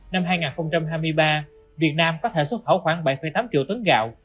năm hai nghìn hai mươi ba việt nam có thể xuất khẩu khoảng bảy tám triệu tấn gạo